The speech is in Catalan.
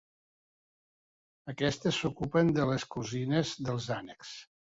Aquestes s'ocupen de les cosines dels ànecs.